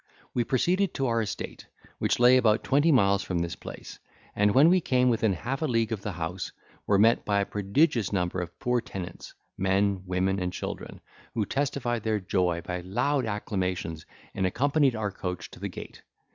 We proceeded to our estate, which lay about twenty miles from this place; and, when we came within half a league of the house, were met by a prodigious number of poor tenants, men, women, and children, who testified their joy by loud acclamations, and accompanied our coach to the gate.